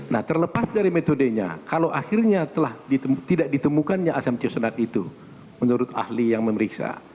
nah terlepas dari metodenya kalau akhirnya tidak ditemukannya asam tiosunat itu menurut ahli yang memeriksa